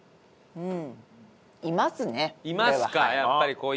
うん。